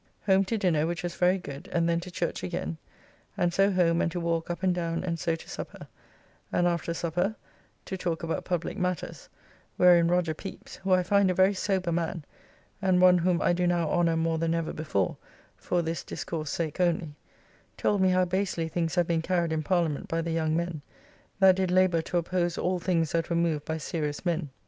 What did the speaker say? Home to dinner, which was very good, and then to church again, and so home and to walk up and down and so to supper, and after supper to talk about publique matters, wherein Roger Pepys (who I find a very sober man, and one whom I do now honour more than ever before for this discourse sake only) told me how basely things have been carried in Parliament by the young men, that did labour to oppose all things that were moved by serious men.